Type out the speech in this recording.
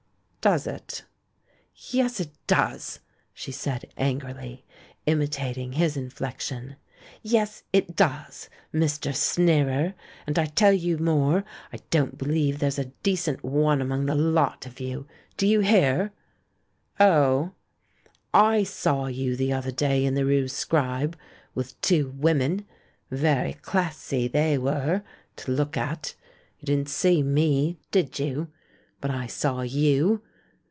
"Does it?" "Yes, it does," she said angrily, imitating his inflexion; "yes, it does, Mr. Sneerer! And I tell you more; I don't believe there's a decent one among the lot of you. Do you hear?" "Oh?" ^^I saw you the other day in the rue Scribe, with two women. Very classy they were — to look at. You didn't see me, did you? But I saw you!